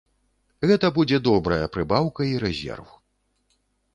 Гэта будзе добрая прыбаўка і рэзерв.